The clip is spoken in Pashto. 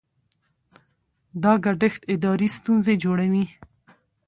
دا ګډښت اداري ستونزې جوړوي.